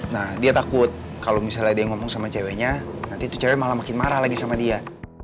nah dia takut kalau misalnya dia ngomong sama ceweknya nanti itu cewek malah makin marah lagi sama dia